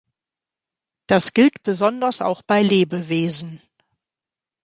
Das gilt besonders auch bei Lebewesen.